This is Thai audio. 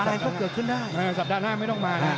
อะไรก็เกิดขึ้นได้